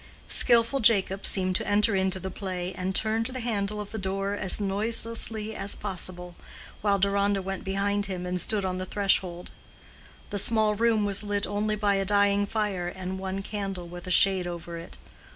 Skillful Jacob seemed to enter into the play, and turned the handle of the door as noiselessly as possible, while Deronda went behind him and stood on the threshold. The small room was lit only by a dying fire and one candle with a shade over it.